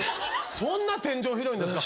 そんな天井広いんですか？